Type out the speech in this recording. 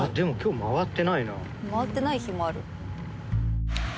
回ってない日もある？